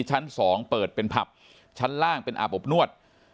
ชั้น๒เปิดเป็นผับชั้นล่างเป็นอาบอบนวด